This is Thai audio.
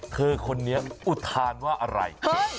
เธอคนนี้อุทานว่าอะไร